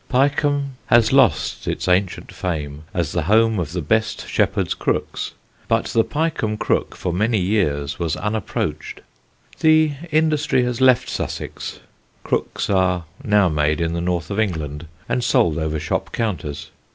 Pyecombe has lost its ancient fame as the home of the best shepherds' crooks, but the Pyecombe crook for many years was unapproached. The industry has left Sussex: crooks are now made in the north of England and sold over shop counters.